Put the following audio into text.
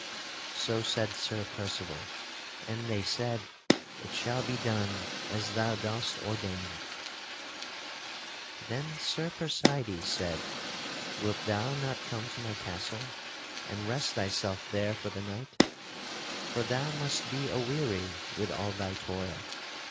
So said Sir Percival, and they said: "It shall be done as thou dost ordain." Then Sir Percydes said: "Wilt thou not come to my castle and rest thyself there for the night? For thou must be aweary with all thy toil."